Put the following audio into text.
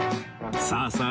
さあさあ